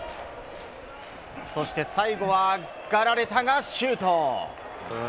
そして最後はガラレタがシュート。